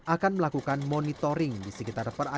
akan melakukan monitoring di sekitar perairan